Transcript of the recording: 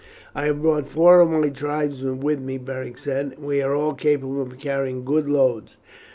"I have brought four of my tribesmen with me," Beric said, "and we are all capable of carrying good loads.